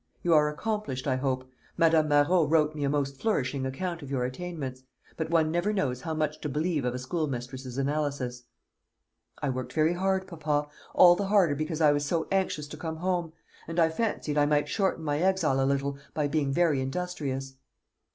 You are accomplished, I hope. Madame Marot wrote me a most flourishing account of your attainments; but one never knows how much to believe of a schoolmistress's analysis." "I worked very hard, papa; all the harder because I was so anxious to come home; and I fancied I might shorten my exile a little by being very industrious."